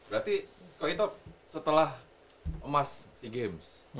berarti kalau itu setelah emas sea games